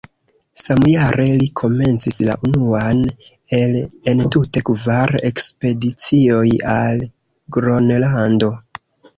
Samjare li komencis la unuan el entute kvar ekspedicioj al Gronlando.